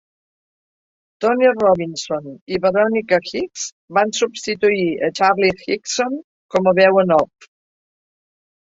Tony Robinson i Veronika Hyks van substituir a Charlie Higson com a veu en off.